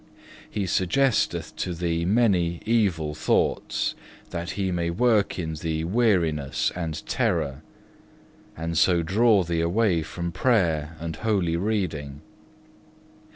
He suggesteth to thee many evil thoughts, that he may work in thee weariness and terror, and so draw thee away from prayer and holy reading.